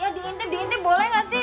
ya diintip diintip boleh nggak sih